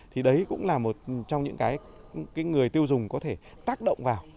thì đấy cũng là một trong những cái người tiêu dùng có thể tác động vào